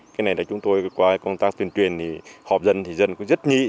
cái này là chúng tôi qua công tác tuyên truyền thì họp dân thì dân cũng rất nhị